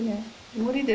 無理です